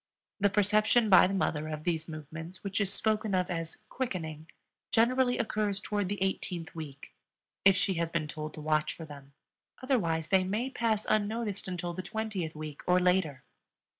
The perception by the mother of these movements, which is spoken of as "quickening," generally occurs toward the eighteenth week, if she has been told to watch for them; otherwise they may pass unnoticed until the twentieth week or later.